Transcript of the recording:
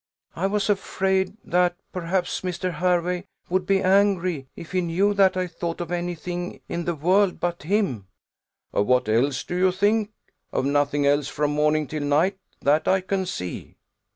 "I was afraid that, perhaps, Mr. Hervey would be angry if he knew that I thought of any thing in the world but him." "Of what else do you think? Of nothing else from morning till night, that I can see."